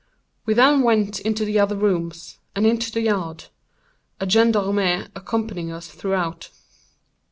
We then went into the other rooms, and into the yard; a gendarme accompanying us throughout.